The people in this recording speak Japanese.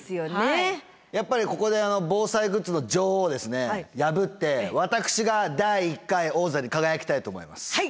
やっぱりここで防災グッズの女王を破って私が第１回王座に輝きたいと思います。